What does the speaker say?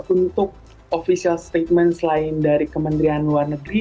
untuk official statement selain dari kementerian luar negeri